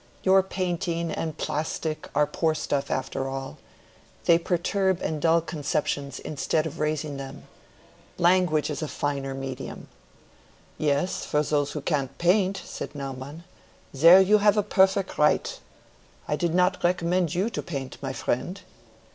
Your painting and Plastik are poor stuff after all. They perturb and dull conceptions instead of raising them. Language is a finer medium." "Yes, for those who can't paint," said Naumann. "There you have perfect right. I did not recommend you to paint, my friend."